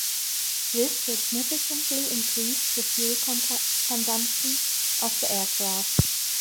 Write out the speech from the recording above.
This significantly increased the fuel consumption of the aircraft.